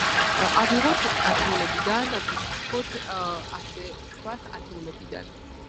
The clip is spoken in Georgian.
ავიღოთ ათეულებიდან, ვისესხოთ, ასე ვთქვათ, ათეულებიდან.